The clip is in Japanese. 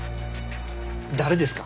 誰ですか？